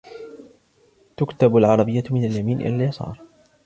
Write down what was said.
تكتب العربية من اليمين إلى اليسار.